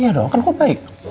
iya dong kan gua baik